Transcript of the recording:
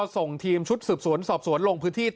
ส่งทีมชุดสืบสวนสอบสวนลงพื้นที่